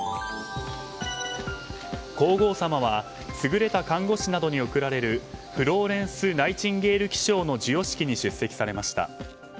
皇后さまは優れた看護師などに贈られるフローレンス・ナイチンゲール記章の授与式に出席されました。